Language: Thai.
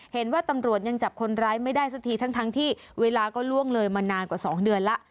เห็นว่าตำรวจยังจับคนร้ายไม่ได้สักทีทั้งที่เวลาก็ล่วงเลยมานานกว่า๒เดือนแล้ว